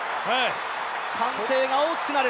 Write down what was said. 歓声が大きくなる。